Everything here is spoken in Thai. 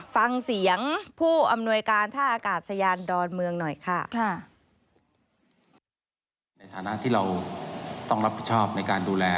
ฟังเสียงผู้อำนวยการท่าอากาศยานดอนเมืองหน่อยค่ะ